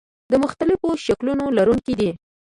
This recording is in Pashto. د مختلفو شکلونو لرونکي دي.